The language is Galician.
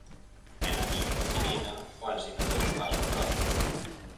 E na Liga feminina, o Ensino deu un paso á fronte.